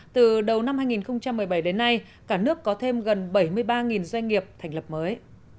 từ đầu năm hai nghìn một mươi bảy đến nay cả nước có thêm gần bảy mươi ba doanh nghiệp thành lập mới